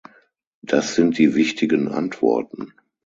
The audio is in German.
Das sind die wichtigen Antworten.